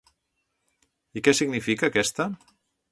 I què significa, aquesta?